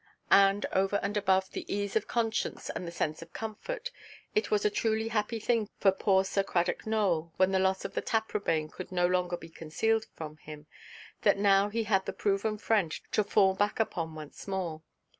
And, over and above the ease of conscience, and the sense of comfort, it was a truly happy thing for poor Sir Cradock Nowell, when the loss of the Taprobane could no longer be concealed from him, that now he had the proven friend to fall back upon once more.